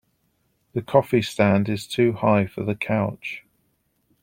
The coffee stand is too high for the couch.